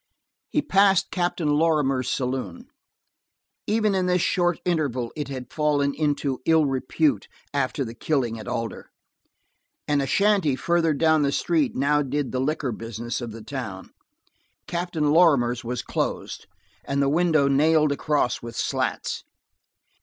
He passed Captain Lorrimer's saloon. Even in this short interval it had fallen into ill repute after the killing at Alder. And a shanty farther down the street now did the liquor business of the town; Captain Lorrimer's was closed, and the window nailed across with slats.